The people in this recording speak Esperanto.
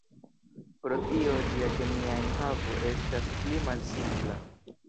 Pro tio ĝia kemia enhavo estas pli malsimpla.